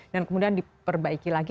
dan kemudian diperbaiki lagi